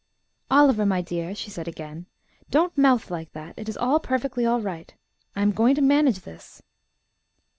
"Oliver, my dear," she said again, "don't mouth like that! It is all perfectly right. I am going to manage this."